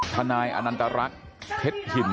ทนายอนัตรรักเพชรหิน